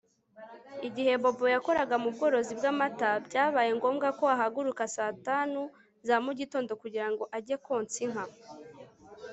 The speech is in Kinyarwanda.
Igihe Bobo yakoraga mu bworozi bwamata byabaye ngombwa ko ahaguruka saa tanu za mu gitondo kugira ngo ajye konsa inka